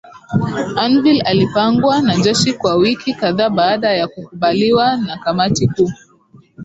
Anvil ilipangwa na jeshi kwa wiki kadhaa baada ya kukubaliwa na kamati kuu